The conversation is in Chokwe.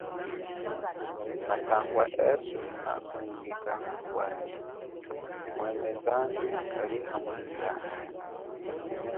Mathangwa eswe nakunyingika ngwami, mwene zambi kali hamwe nyi yami.